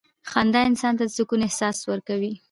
• خندا انسان ته د سکون احساس ورکوي.